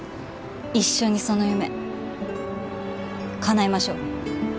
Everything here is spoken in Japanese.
一緒にその夢かなえましょう。